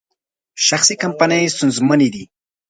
شخصي کمپنۍ ستونزمنې دي.